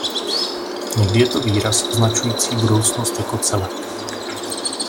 Někdy je to výraz označující budoucnost jako celek.